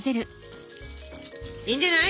いいんじゃない？